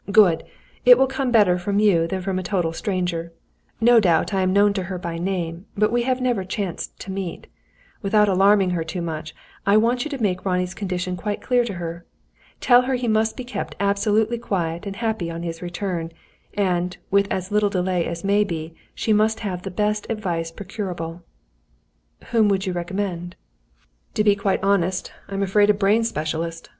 "Good! It will come better from you than from a total stranger. No doubt I am known to her by name; but we have never chanced to meet. Without alarming her too much, I want you to make Ronnie's condition quite clear to her. Tell her he must be kept absolutely quiet and happy on his return; and, with as little delay as may be, she must have the best advice procurable." "Whom would you recommend?" "To be quite honest, I am afraid a brain specialist.